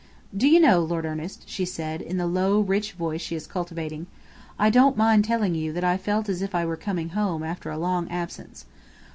"Do you know, Lord Ernest," she said, in the low, rich voice she is cultivating, "I don't mind telling you that I felt as if I were coming home, after a long absence.